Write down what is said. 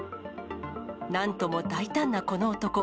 なんとも大胆なこの男。